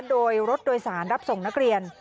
โดยรถโดยสารรับส่งนักเรียน